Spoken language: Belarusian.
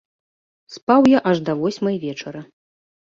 Спаў я аж да восьмай вечара.